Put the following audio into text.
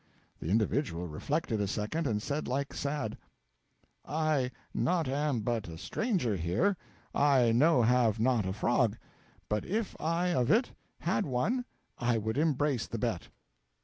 The individual reflected a second, and said like sad: 'I not am but a stranger here, I no have not a frog; but if I of it had one, I would embrace the bet.'